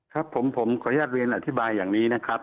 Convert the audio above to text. ครับผมขออนุญาตเรียนอธิบายอย่างนี้นะครับ